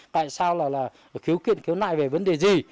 tại sao là khiếu kiện khiếu nại về vấn đề gì